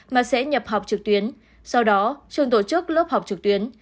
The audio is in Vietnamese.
mà sẽ nhập học trực tuyến sau đó trường tổ chức lớp học trực tuyến